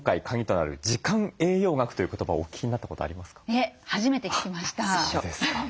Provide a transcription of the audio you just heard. いえ初めて聞きました。